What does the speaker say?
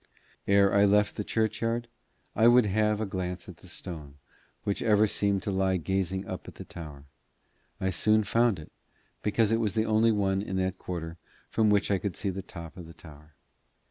Ere I left the churchyard I would have a glance at the stone which ever seemed to lie gazing up at the tower. I soon found it, because it was the only one in that quarter from which I could see the top of the tower.